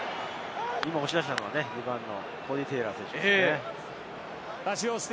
押し出したのはコーディー・テイラー選手ですね。